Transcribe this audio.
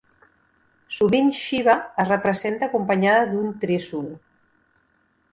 Sovint Shiva es representa acompanyat d'un Trishul.